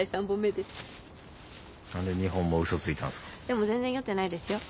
でも全然酔ってないですよ。